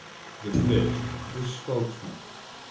The Fish was spokesman.